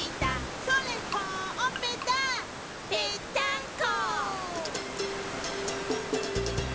「それほっぺた」「ぺったんこ！」